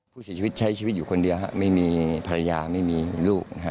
ผู้เสียชีวิตใช้ชีวิตอยู่คนเดียวไม่มีภรรยาไม่มีลูกนะฮะ